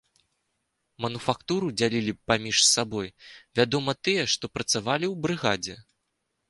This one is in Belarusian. Мануфактуру дзялілі паміж сабой, вядома, тыя, што працавалі ў брыгадзе.